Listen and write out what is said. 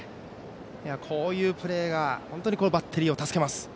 こういうプレーがバッテリーを助けます。